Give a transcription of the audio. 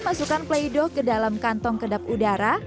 masukkan play dow ke dalam kantong kedap udara